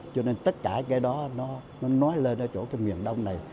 cho nên tất cả cái đó nó nói lên ở chỗ cái miền đông này